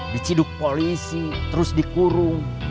diciduk polisi terus dikurung